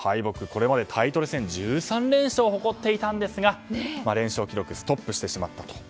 これまでタイトル戦１３連勝を誇っていたんですが連勝記録がストップしてしまった。